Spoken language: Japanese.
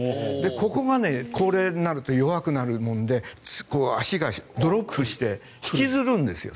ここが高齢になると弱くなるもんで足が引きずるんです。